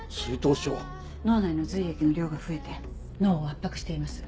脳内の髄液の量が増えて脳を圧迫しています。